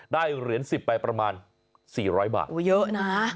เหรียญ๑๐ไปประมาณ๔๐๐บาทโอ้เยอะนะ